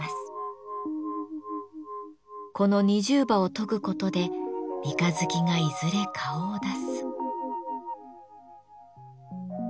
この二重刃を研ぐことで三日月がいずれ顔を出す。